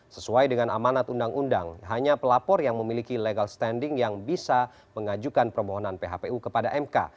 sesuai dengan amanat undang undang hanya pelapor yang memiliki legal standing yang bisa mengajukan permohonan phpu kepada mk